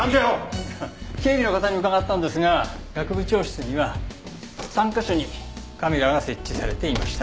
警備の方に伺ったんですが学部長室には３カ所にカメラが設置されていました。